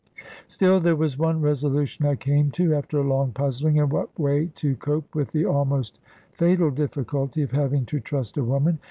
Still there was one resolution I came to, after long puzzling in what way to cope with the almost fatal difficulty of having to trust a woman.